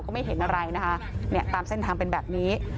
ไม่เห็นอะไรนะคะเนี่ยตามเส้นทางเป็นแบบนี้